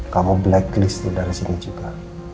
kamu blacklist tuh dari sini juga